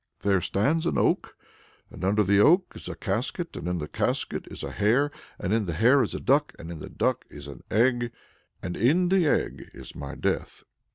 There stands an oak, and under the oak is a casket, and in the casket is a hare, and in the hare is a duck, and in the duck is an egg, and in the egg is my death."